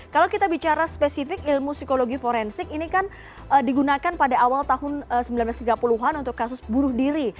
kalau kita bicara spesifik ilmu psikologi forensik ini kan digunakan pada awal tahun seribu sembilan ratus tiga puluh an untuk kasus bunuh diri